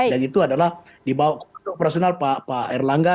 dan itu adalah dibawa ke kondok operasional pak erlangga